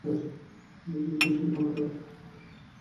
গল্পের শেষে বেশ কিছু প্রশ্ন করা আছে।